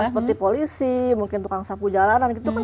ya seperti polisi mungkin tukang sapu jalanan gitu kan